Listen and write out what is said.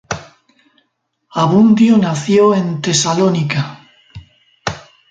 Abundio nació en Tesalónica.